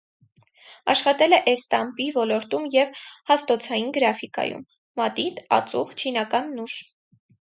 Աշխատել է էստամպի ոլորտում և հաստոցային գրաֆիկայում (մատիտ, ածուխ, չինական տուշ)։